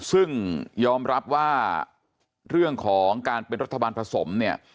ซึ่งยอมรับว่าเรื่องของการเป็นรัฐบาลผสมเนี่ย